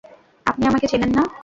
আপনি আমাকে চেনেন না।